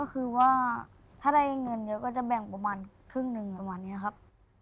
ก็คือว่าถ้าได้เงินเยอะก็จะแบ่งประมาณครึ่งหนึ่งประมาณนี้ครับ